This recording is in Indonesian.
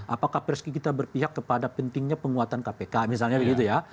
apakah pers kita berpihak kepada pentingnya penguatan kpk misalnya begitu ya